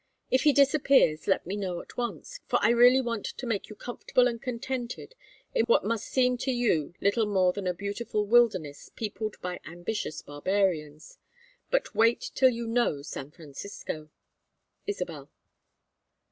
If he disappears, let me know at once, for I really want to make you comfortable and contented in what I know must seem to you little more than a beautiful wilderness peopled by ambitious barbarians. But wait till you know San Francisco! ISABEL.